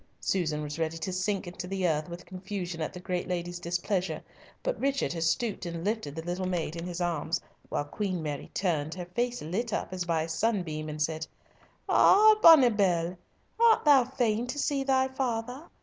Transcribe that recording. Susan was ready to sink into the earth with confusion at the great lady's displeasure, but Richard had stooped and lifted the little maid in his arms, while Queen Mary turned, her face lit up as by a sunbeam, and said, "Ah, bonnibell, art thou fain to see thy father?